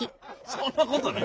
そんなことない。